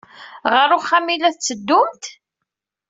Ɣer uxxam ay la tetteddumt?